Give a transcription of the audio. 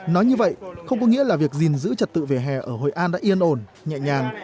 nói như vậy không có nghĩa là việc gìn giữ trật tự về hè ở hội an đã yên ổn nhẹ nhàng